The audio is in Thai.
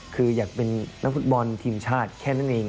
คืออยากเป็นนักฟุตบอลทีมชาติแค่นั้นเอง